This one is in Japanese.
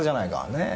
ねえ？